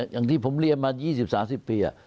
อย่างที่ผมเรียนมา๒๐๓๐ปี